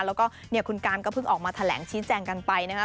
แล้วก็เนี่ยคุณการก็เพิ่งออกมาแถลงชี้แจงกันไปนะครับ